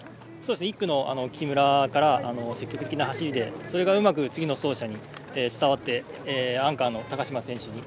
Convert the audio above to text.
１区の木村から積極的な走りで、それが次の選手に伝わってアンカーの高島選手に。